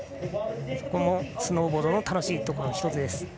そこもスノーボードの楽しいところの１つです。